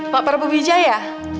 pak prabu wijaya